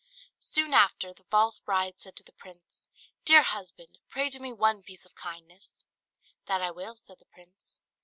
Soon after, the false bride said to the prince, "Dear husband pray do me one piece of kindness." "That I will," said the prince.